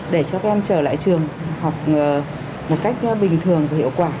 để cho các em trở lại trường học một cách bình thường và hiệu quả